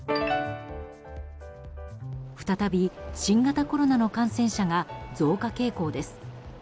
再び新型コロナの感染者が増加傾向です。